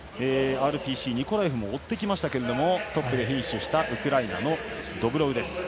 ＲＰＣのニコラエフも追ってきましたがトップはウクライナのドブロウです。